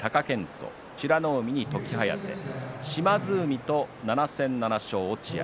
島津海と７戦７勝の落合。